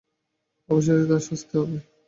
অবশেষে তার শাস্তি হবে।